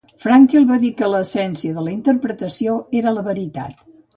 Frankel va dir que l'essència de la interpretació era la veritat.